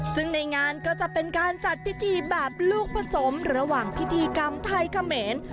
ซึ่งในงานก็จะเป็นการจัดพิธีแบบลูกผสมระหว่างพิธีกรรมไทยเขมร